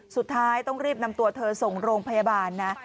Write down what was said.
สุดท้ายต้องรีบนำตัวเธอส่งโรงพยาบาลนะ